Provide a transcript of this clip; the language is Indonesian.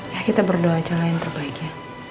ya kita berdoa aja lain terbaik ya